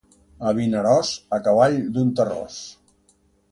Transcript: A Vinaròs, a cavall d'un terròs.